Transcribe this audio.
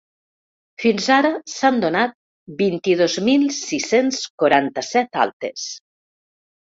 Fins ara, s’han donat vint-i-dos mil sis-cents quaranta-set altes.